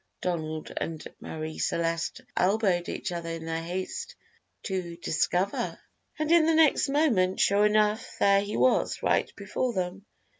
Donald and Marie Celeste elbowed each other in their haste to discover, and in the next moment sure enough there he was right before them.